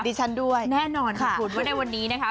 ดิฉันด้วยแน่นอนค่ะคุณว่าในวันนี้นะคะ